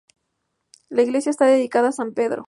La iglesia está dedicada a San Pedro.